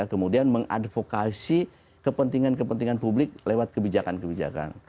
kemudian mengadvokasi kepentingan kepentingan publik lewat kebijakan kebijakan